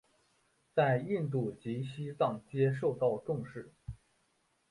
在印度及西藏皆受到重视。